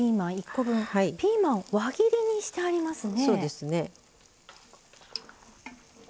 ピーマン輪切りにしてありますね。